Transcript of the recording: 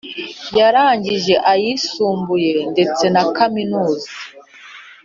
Yarangije ayisumbuye ndetse na kaminuza